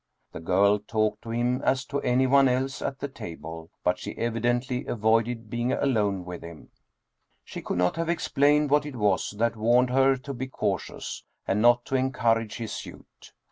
The girl talked to him as to anyone else at the table, but she evidently avoided being alone with him. She could not have explained what it was that warned her to be cautious and not to encourage his suit.